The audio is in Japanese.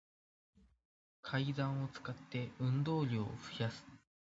階段を使って、運動量を増やす